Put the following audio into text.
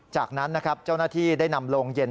จากนั้นนะครับเจ้าหน้าที่ได้นำโรงเย็น